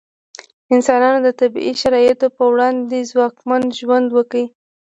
انسانانو د طبیعي شرایطو په وړاندې ځواکمن ژوند وکړ.